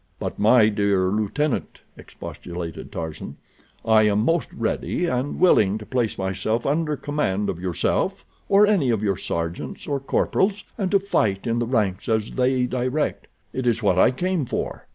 "But, my dear lieutenant," expostulated Tarzan, "I am most ready and willing to place myself under command of yourself or any of your sergeants or corporals, and to fight in the ranks as they direct. It is what I came for."